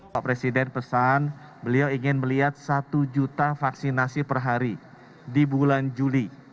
pak presiden pesan beliau ingin melihat satu juta vaksinasi per hari di bulan juli